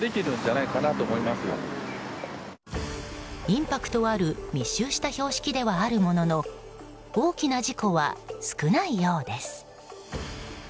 インパクトある密集した標識ではあるものの大きな事故は少ないようです。